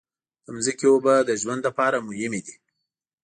د ځمکې اوبو د ژوند لپاره مهمې دي.